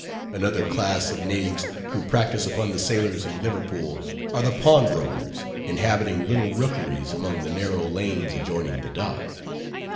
Another class of knaves, who practice upon the sailors in Liverpool, are the pawnbrokers, inhabiting little rookeries among the narrow lanes adjoining the dock.